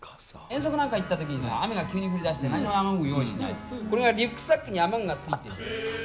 遠足なんか行ったときにさ、雨が急に降りだして何も雨具用意してない、これがリュックサックに雨具が付いている。